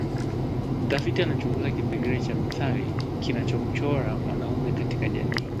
Mtafiti anachunguza kipengele cha methali kinavyomchora mwanamume katika jamii